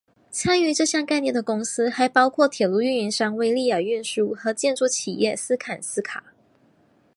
参与这项概念的公司还包括铁路运营商威立雅运输和建筑企业斯堪斯卡。